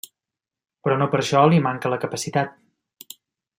Però no per això li manca la capacitat.